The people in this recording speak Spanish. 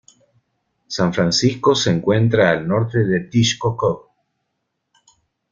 San Francisco se encuentra al norte de Tixkokob.